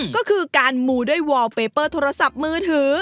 ก็คือการมูด้วยวอลเปเปอร์โทรศัพท์มือถือ